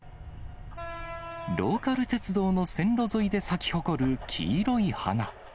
ローカル鉄道の線路沿いで咲き誇る黄色い花。